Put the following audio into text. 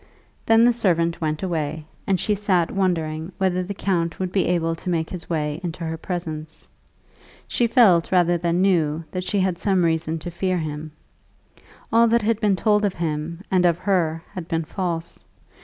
Then the servant went away, and she sat wondering whether the count would be able to make his way into her presence. She felt rather than knew that she had some reason to fear him. All that had been told of him and of her had been false.